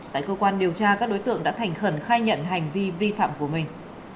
tại cơ quan điều tra các đối tượng đã thành khẩn khai nhận hành vi vi phạm của mình